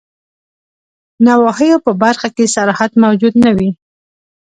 نواهیو په برخه کي صراحت موجود نه وي.